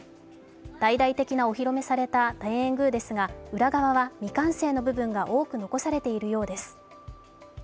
大々的にお披露目された天苑宮ですが、裏側は未完成の部分が多く残されているようです。